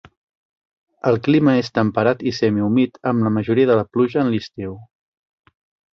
El clima és temperat i semihumit amb la majoria de la pluja en l'estiu.